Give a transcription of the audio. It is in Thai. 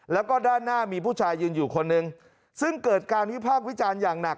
แล้วก็ด้านหน้ามีผู้ชายยืนอยู่คนหนึ่งซึ่งเกิดการวิพากษ์วิจารณ์อย่างหนัก